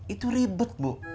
itu ribet bu